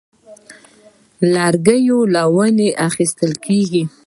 لرګی له ونو اخیستل کېږي.